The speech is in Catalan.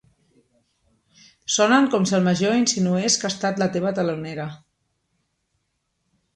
Sonen com si el major insinués que ha estat la seva telonera.